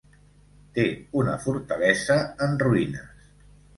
Té una fortalesa en ruïnes.